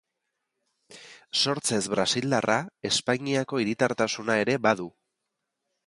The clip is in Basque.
Sortzez brasildarra, Espainiako hiritartasuna ere badu.